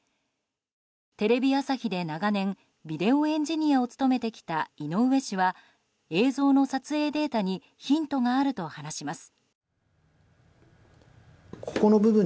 テレビ朝日で長年ビデオエンジニアを務めてきた井上氏は映像の撮影データにヒントがあると話します。